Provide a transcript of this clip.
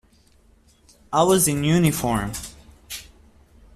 I was in uniform!